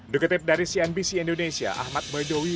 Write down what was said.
duketip dari cnbc indonesia ahmad medowi